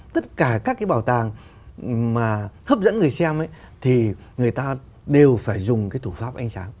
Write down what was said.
tất cả các cái bảo tàng mà hấp dẫn người xem thì người ta đều phải dùng cái thủ pháp ánh sáng